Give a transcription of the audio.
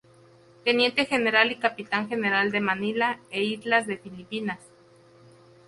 Teniente General y Capitán General de Manila e Islas de Filipinas.